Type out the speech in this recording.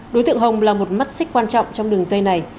đối tượng hồng là một mắt xích quan trọng trong đường dây này